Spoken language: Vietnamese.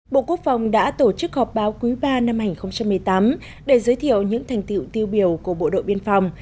bộ quốc phòng đã tổ chức họp báo quý ba năm hai nghìn một mươi tám để giới thiệu những thành tiệu tiêu biểu của bộ đội biên phòng